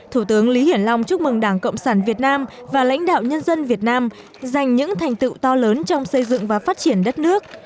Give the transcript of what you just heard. thủ tướng lý hiển long chúc mừng đảng cộng sản việt nam và lãnh đạo nhân dân việt nam giành những thành tựu to lớn trong xây dựng và phát triển đất nước